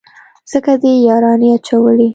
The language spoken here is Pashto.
ځکه دې يارانې اچولي.